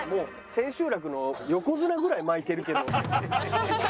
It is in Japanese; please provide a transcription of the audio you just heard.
千秋楽の横綱ぐらい巻いてるけど。